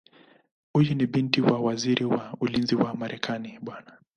Huyu ni binti wa Waziri wa Ulinzi wa Marekani Bw.